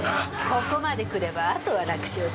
ここまで来ればあとは楽勝だ。